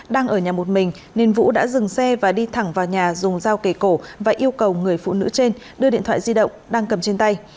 đang ở nhà một mình nên vũ đã dừng xe và đi thẳng vào nhà dùng dao kề cổ và yêu cầu người phụ nữ trên đưa điện thoại di động đang cầm trên tay